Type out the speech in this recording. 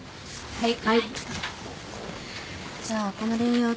はい。